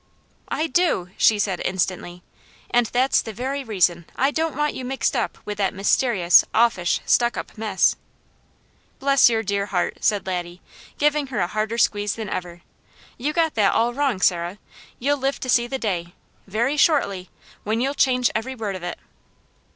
"I do!" she said instantly. "And that's the very reason I don't want you mixed up with that mysterious, offish, stuck up mess." "Bless your dear heart!" said Laddie, giving her a harder squeeze than ever. "You got that all wrong, Sarah. You'll live to see the day, very shortly, when you'll change every word of it."